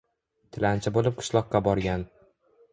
Tilanchi bo‘lib qishloqqa borgan